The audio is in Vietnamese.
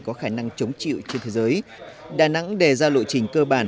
có khả năng chống chịu trên thế giới đà nẵng đề ra lộ trình cơ bản